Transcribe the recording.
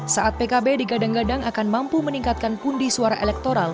saat pkb digadang gadang akan mampu meningkatkan pundi suara elektoral